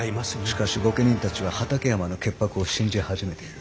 しかし御家人たちは畠山の潔白を信じ始めている。